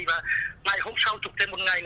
và ngày hôm sau chụp thêm một ngày